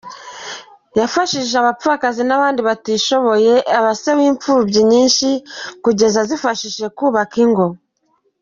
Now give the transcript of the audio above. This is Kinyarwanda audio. Yafashije abapfakazi n’abandi batishoboye, aba Se w’imfubyi nyinshi kugeza azifashije kubaka ingo.